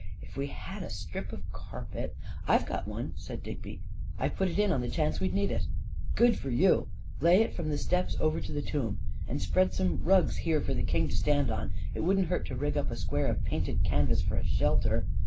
If we had a strip of carpet ..."" I've got one," said Digby. " I put it in on the chance we'd need it." " Good for you 1 Lay it from the steps over to the tomb; and spread some rugs here for the king to stand on. It wouldn't hurt to rig up a square of painted canvas for a shelter."